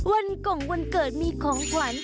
วันกล่องวันเกิดมีของขวัญ